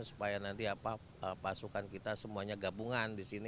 supaya nanti pasukan kita semuanya gabungan di sini